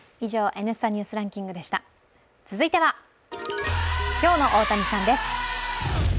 続いては、今日の大谷さんです。